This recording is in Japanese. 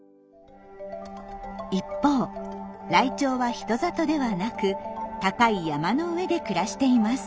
一方ライチョウは人里ではなく高い山の上で暮らしています。